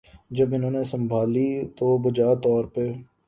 جب انہوں نے سنبھالی تو بجا طور پہ